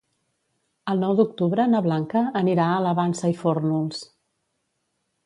El nou d'octubre na Blanca anirà a la Vansa i Fórnols.